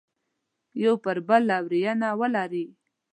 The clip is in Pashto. یو پر بل لورینه ولري.